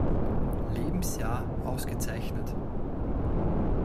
Lebensjahr ausgezeichnet.